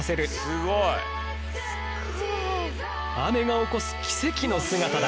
すごい！雨が起こす奇跡の姿だ。